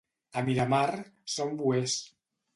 A Miramar són bouers.